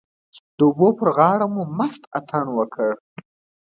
د اوبو پر غاړه مو مست اتڼ وکړ.